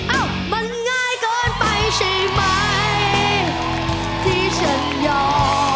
เอ้ามันง่ายเกินไปใช่ไหมที่ฉันยอม